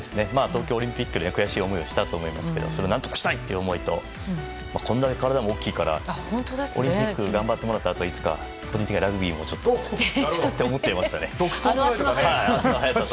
東京オリンピックで悔しい思いをしたと思いますがそれを何とかしたいという思いとこれだけ体が大きいからオリンピックを頑張ったあといつかはラグビーもと思っちゃいましたね。